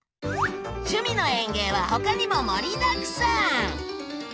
「趣味の園芸」はほかにも盛りだくさん！